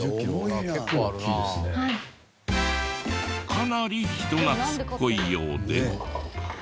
かなり人懐っこいようで。